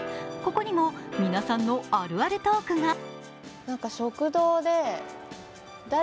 ここにも皆さんのあるあるトークが。